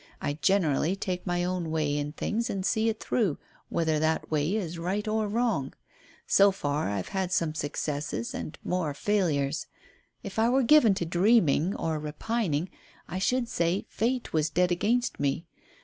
I generally take my own way in things and see it through, whether that way is right or wrong. So far I've had some successes and more failures. If I were given to dreaming or repining I should say Fate was dead against me.